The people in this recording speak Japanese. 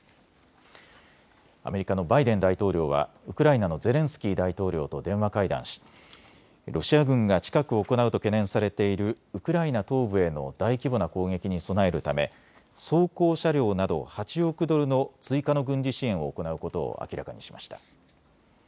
アメリカのバイデン大統領はウクライナのゼレンスキー大統領と電話会談し、ロシア軍が近く行うと懸念されているウクライナ東部への大規模な攻撃に備えるため装甲車両など８億ドルの追加の軍事支援を行うことを明らかにしました。